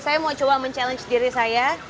saya mau coba mencabar diri saya